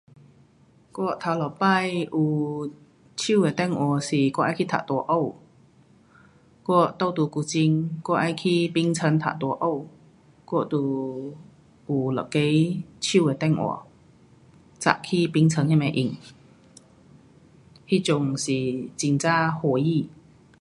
我第一次有手的电话是我要去读大学，我住在古晋，我要去槟城读大学，我就有一个手的电话，拿去槟城那边用。那阵是很哪欢喜。